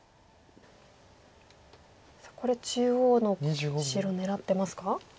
さあこれ中央の白狙ってますか？